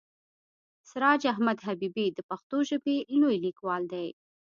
سراج احمد حبیبي د پښتو ژبې لوی لیکوال دی.